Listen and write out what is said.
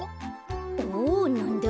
おっなんだ？